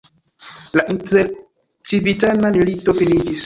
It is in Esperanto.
La intercivitana milito finiĝis.